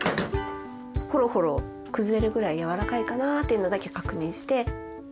ほろほろ崩れるぐらい柔らかいかなっていうのだけ確認して。